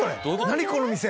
この店。